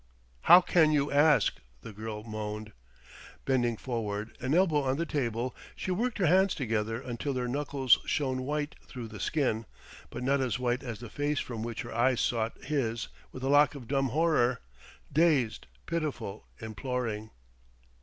"How can you ask?" the girl moaned. Bending forward, an elbow on the table, she worked her hands together until their knuckles shone white through the skin but not as white as the face from which her eyes sought his with a look of dumb horror, dazed, pitiful, imploring.